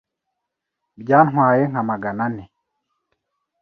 Byantwaye nka Magana ane